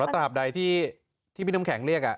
แล้วตระหับใดที่ที่พี่น้ำแข็งเรียก